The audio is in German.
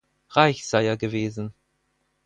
Reich sei er gewesen.